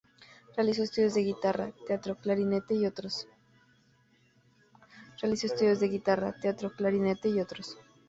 Realizó estudios de guitarra, teatro, clarinete y otros.